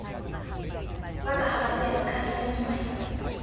我が派閥への勧誘に来ました。